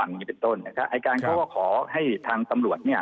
ทั้งวันเป็นต้นไอ้ยาการเขาก็ขอให้ทางตำรวจเนี่ย